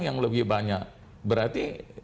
yang lebih banyak berarti